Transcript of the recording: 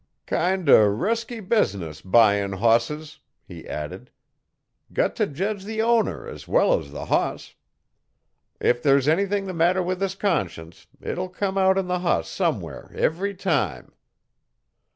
'Kind o' resky business buyin' hosses,' he added. 'Got t' jedge the owner as well as the hoss. If there's anything the matter with his conscience it'll come out in the hoss somewhere every time.